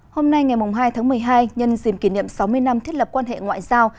hôm nay ngày hai tháng một mươi hai nhân dìm kỷ niệm sáu mươi năm thiết lập quan hệ ngoại giao